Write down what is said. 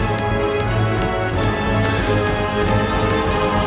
untuk di sudut muzik